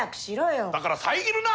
だから遮るな！